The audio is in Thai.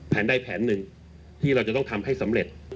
ใดแผนหนึ่งที่เราจะต้องทำให้สำเร็จ